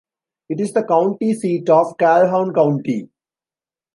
It is the county seat of Calhoun County.